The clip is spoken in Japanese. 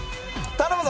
頼む！